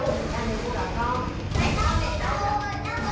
mẹ con đi đâu